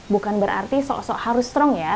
bukan berarti sosok harus strong ya